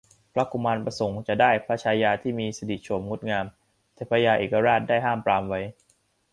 พระกุมารประสงค์จะได้พระชายาที่มีสิริโฉมงดงาม แต่พญาเอกราชได้ห้ามปรามไว้